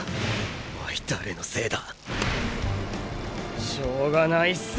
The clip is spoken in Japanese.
おい誰のせいだしょうがないっす